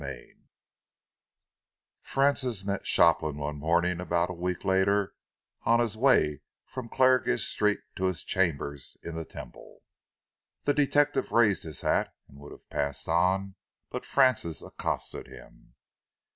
CHAPTER X Francis met Shopland one morning about a week later, on his way from Clarges Street to his chambers in the Temple. The detective raised his hat and would have passed on, but Francis accosted him.